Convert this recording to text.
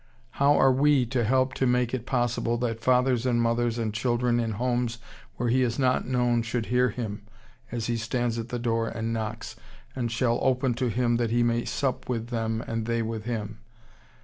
How are we to help to make it possible that fathers, mothers, and children in homes where He is not known should hear Him as He stands at the door and knocks, and shall open to Him that He may sup with them and they with Him?